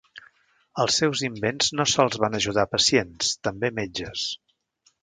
Els seus invents no sols van ajudar pacients, també metges.